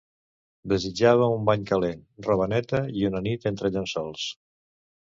Desitjava un bany calent, roba neta i una nit entre llençols